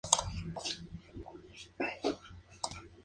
Se encuentra en el Pakistán, Irán y Afganistán.